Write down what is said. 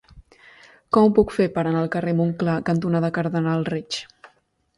Com ho puc fer per anar al carrer Montclar cantonada Cardenal Reig?